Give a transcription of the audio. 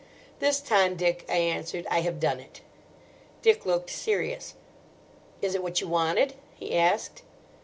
"This time, Dick," I answered, "I have done it." Dick looked serious. "Is it what you wanted?" he asked.